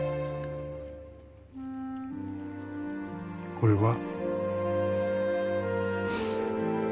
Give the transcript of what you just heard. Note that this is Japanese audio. これは。